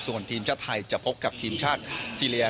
ส่วนทีมชาติไทยจะพบกับทีมชาติซีเรีย